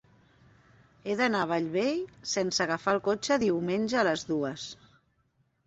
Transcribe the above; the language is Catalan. He d'anar a Bellvei sense agafar el cotxe diumenge a les dues.